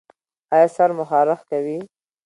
ایا سر مو خارښ کوي؟